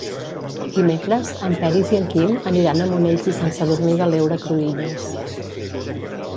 Dimecres en Peris i en Quim aniran a Monells i Sant Sadurní de l'Heura Cruïlles.